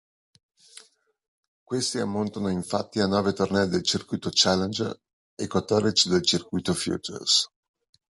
Questi ammontano, infatti, a nove tornei del circuito challenger e quattordici del circuito futures.